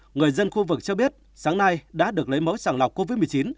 người dân khu vực cho biết sáng nay đã được lấy mẫu sàng lọc covid một mươi chín